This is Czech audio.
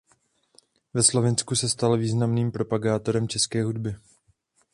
Ve Slovinsku se stal významným propagátorem české hudby.